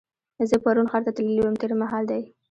زه پرون ښار ته تللې وم تېر مهال دی.